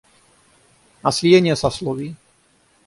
А слияние сословий?